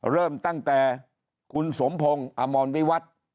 เริ่มตั้งแต่คุณสมพงศ์อมรวิวัตร